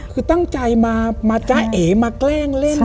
คือตั้งใจมาเกร้งเล่น